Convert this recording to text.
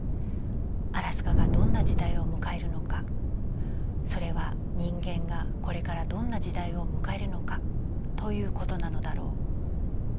アラスカがどんな時代を迎えるのかそれは人間がこれからどんな時代を迎えるのかということなのだろう」。